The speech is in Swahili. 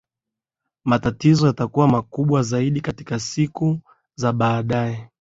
Matatizo yatakuwa makubwa zaidi katika siku za baadae